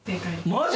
マジ？